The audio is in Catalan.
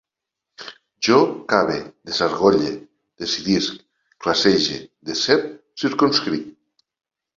Jo cave, desargolle, decidisc, classege, decep, circumscric